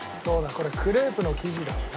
これクレープの生地だろうな。